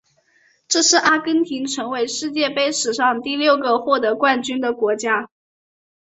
这是阿根廷成为世界杯史上的第六个获得冠军的国家。